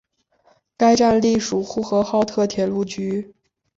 该站隶属呼和浩特铁路局。